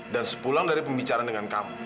dan sepulang dari pembicaraan dengan kamu